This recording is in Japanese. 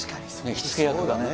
火付け役がね。